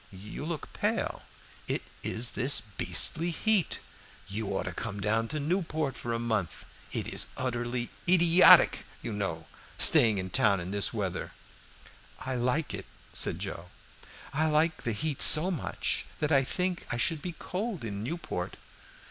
You look pale. It is this beastly heat you ought to come down to Newport for a month. It is utterly idiotic, you know, staying in town in this weather." "I like it," said Joe. "I like the heat so much that I think I should be cold in Newport.